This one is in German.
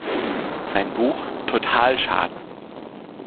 Sein Buch "Totalschaden.